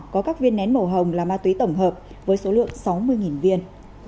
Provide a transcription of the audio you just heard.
có các viên nén màu hồng là ma túy tổng hợp với số lượng sáu mươi viên